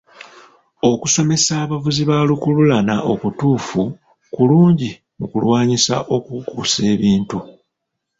Okusomesa abavuzi ba lukululana okutuufu kulungi mu kulwanyisa okukukusa ebintu.